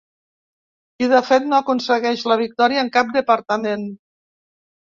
I de fet no aconsegueix la victòria en cap departament.